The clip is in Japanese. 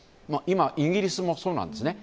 イギリスもそうなんですね。